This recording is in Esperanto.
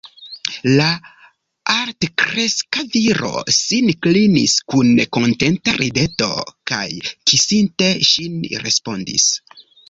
La altkreska viro sin klinis kun kontenta rideto kaj, kisinte ŝin, respondis: